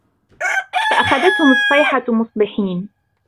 فأخذتهم الصيحة مصبحين